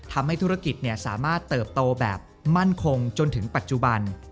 ทำให้ธุรกิจสามารถเติบโตแบบมั่นคงจนถึงปัจจุบัน